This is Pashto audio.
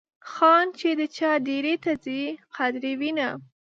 خان چې د چا دیرې ته ځي قدر یې وینه.